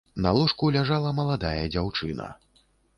На ложку ляжала маладая дзяўчына.